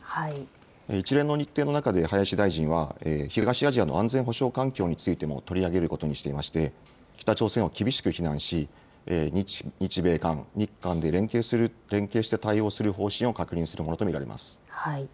一連の日程の中で林大臣は東アジアの安全保障環境についても取り上げることにしていまして北朝鮮を厳しく非難し日米韓、日韓で連携して対応する方針を確認するものと見られます。